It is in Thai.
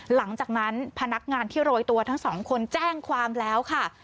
หลังจากนั้นพนักงานที่โรยตัวทั้งสองคนแจ้งความแล้วค่ะ